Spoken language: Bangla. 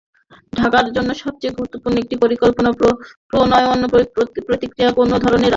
ঢাকার জন্য সবচেয়ে গুরুত্বপূর্ণ একটি পরিকল্পনা প্রণয়ন-প্রক্রিয়ায় কোনো ধরনের জনসম্পৃক্ততা নেই।